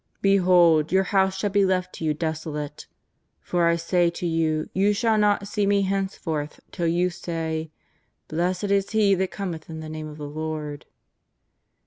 Behold, your house shall be left to you desolate. For I say to you you shall not see Me henceforth till you say :^ Blessed is He that cometh in the name of the Lord.'